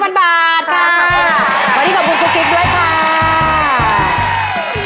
วันนี้ขอบคุณกุ๊กกิ๊กด้วยค่ะ